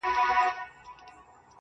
• څوک یې نه لیدی پر مځکه چي دښمن وي -